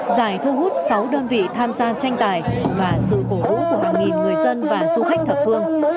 giải thu hút sáu đơn vị tham gia tranh tài và sự phổ vũ của hàng nghìn người dân và du khách thật phương